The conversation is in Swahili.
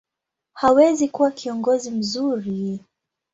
hawezi kuwa kiongozi mzuri.